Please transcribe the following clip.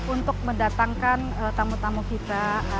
untuk mendatangkan tamu tamu kita